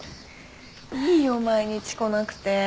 いいよ毎日来なくて。